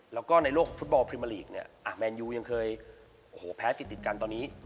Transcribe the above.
แล้วก็ในโลกฟุตบอลปริมาลีกแมนยูยังเคยแพ้ติดติดกันตอนนี้